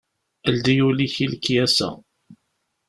Ldi ul-ik i lekyasa.